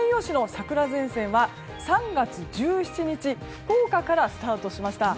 桜前線は３月１７日福岡からスタートしました。